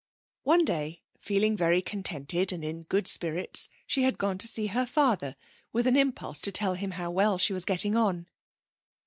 One day, feeling very contented and in good spirits, she had gone to see her father with an impulse to tell him how well she was getting on.